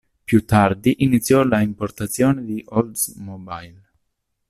Più tardi iniziò la importazione di Oldsmobile.